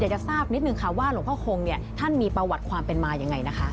จะทราบนิดนึงค่ะว่าหลวงพ่อคงเนี่ยท่านมีประวัติความเป็นมายังไงนะคะ